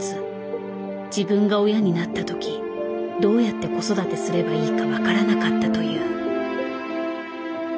自分が親になった時どうやって子育てすればいいか分からなかったという。